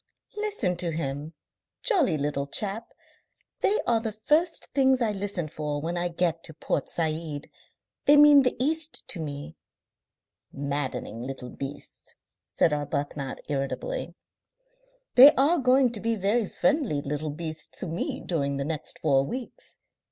"Listen to him. Jolly little chap! They are the first things I listen for when I get to Port Said. They mean the East to me." "Maddening little beasts!" said Arbuthnot irritably. "They are going to be very friendly little beasts to me during the next four weeks....